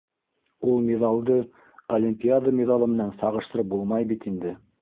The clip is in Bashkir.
Ул миҙалды олимпиада миҙалы менән сағыштырып булмай бит инде.